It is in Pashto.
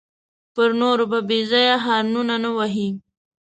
پر نورو به بېځایه هارنونه نه وهې.